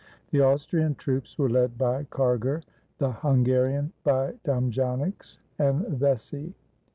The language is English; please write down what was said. The Austrian troops were led by Karger; the Hunga rian by Damjanics and Vecsey.